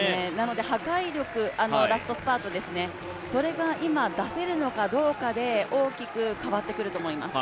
破壊力、ラストスパートですね、それが出せるかどうかで大きく変わってくると思います。